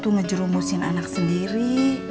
ngerumusin anak sendiri